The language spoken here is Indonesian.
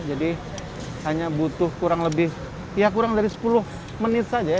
jadi hanya butuh kurang lebih ya kurang dari sepuluh menit saja ya